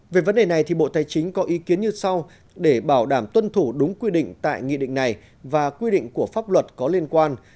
về vấn đề này bộ tài chính có ý kiến như sau để bảo đảm tuân thủ đúng quy định tại nghị định này và quy định của pháp luật có liên quan